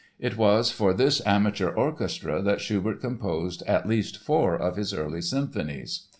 It was for this amateur orchestra that Schubert composed at least four of his early symphonies.